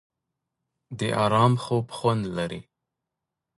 د ارام خوب خوند لري.